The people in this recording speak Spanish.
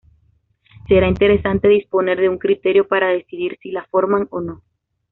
Será interesante disponer de un criterio para decidir si la forman o no.